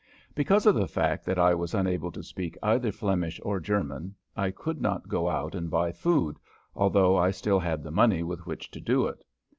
Because of the fact that I was unable to speak either Flemish or German I could not go out and buy food, although I still had the money with which to do it.